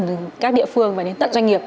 từ các địa phương và đến tận doanh nghiệp